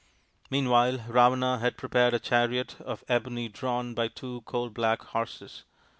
Meanwhile Ravana had prepared a chariot of ebony drawn by two coal black horses.